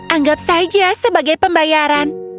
anggap saja sebagai pembayaran